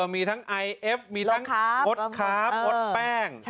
มีทั้งไอเอฟมีทั้งมดค้ามดแป้ง